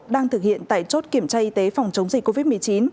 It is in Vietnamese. đang thực hiện tại chốt kiểm tra y tế phòng chống dịch covid một mươi chín